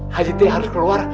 haji t harus keluar